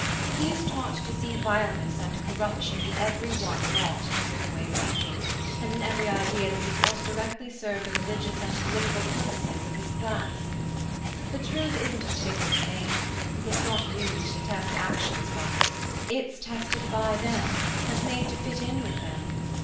He is taught to see vileness and corruption in every one not of his own way of thinking, and in every idea that does not directly serve the religious and political purposes of his class. The truth isn't a fixed thing: it's not used to test actions by, it's tested by them, and made to fit in with them.